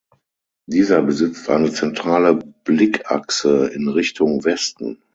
Dieser besitzt eine zentrale Blickachse in Richtung Westen.